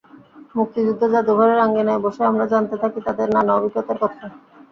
মুক্তিযুদ্ধ জাদুঘরের আঙিনায় বসে আমরা জানতে থাকি তাঁদের নানা অভিজ্ঞতার কথা।